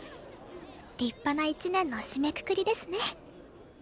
立派な一年の締めくくりですね